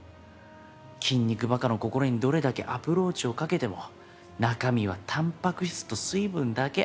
筋肉バカの心にどれだけアプローチをかけても中身はたんぱく質と水分だけ。